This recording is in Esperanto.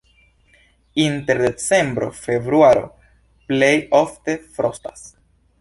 Inter decembro-februaro plej ofte frostas.